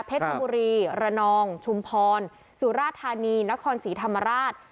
ชบุรีระนองชุมพรสุราธานีนครศรีธรรมราช